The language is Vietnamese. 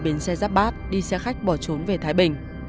bến xe giáp bát đi xe khách bỏ trốn về thái bình